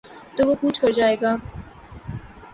تو وہ کوچ کر جائے گا۔